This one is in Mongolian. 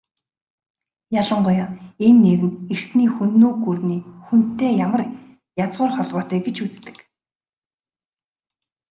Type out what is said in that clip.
Ялангуяа энэ нэр нь эртний Хүннү гүрний "Хүн"-тэй язгуур холбоотой гэж үздэг.